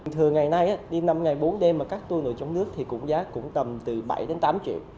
thường ngày nay đi năm ngày bốn đêm mà các tour nội địa trong nước thì giá cũng tầm từ bảy tám triệu